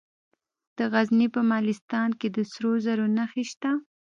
د غزني په مالستان کې د سرو زرو نښې شته.